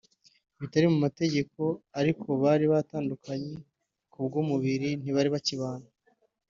bitari mu mategeko ariko bari baratandukanye kubw’umubiri ntibari bakibana